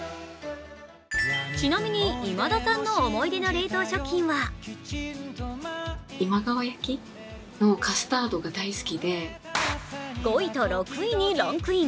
ちなみに、今田さんの思い出の冷凍食品は５位と６位にランクイン。